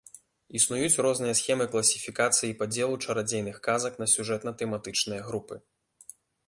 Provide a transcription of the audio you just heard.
Існуюць розныя схемы класіфікацыі і падзелу чарадзейных казак на сюжэтна-тэматычныя групы.